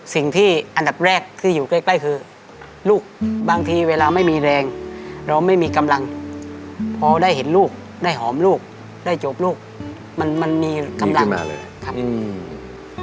สิ่งที่อันดับแรกที่อยู่ใกล้ใกล้คือลูกบางทีเวลาไม่มีแรงเราไม่มีกำลังพอได้เห็นลูกได้หอมลูกได้จบลูกมันมันมีกำลังเลยครับอืม